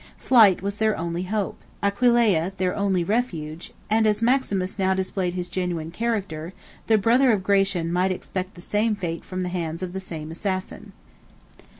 Flight was their only hope, Aquileia their only refuge; and as Maximus now displayed his genuine character, the brother of Gratian might expect the same fate from the hands of the same assassin.